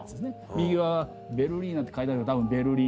右側はベルリーナーって書いてあるたぶんベルリン。